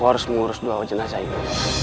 kau harus mengurus dua wajah saya